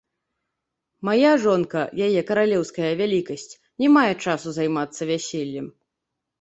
Мая жонка, яе каралеўская вялікасць, не мае часу займацца вяселлем.